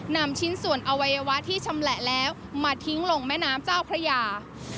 นำชิ้นส่วนอวัยวะที่ชำแหละแล้วมาทิ้งลงแม่น้ำเจ้าพระยา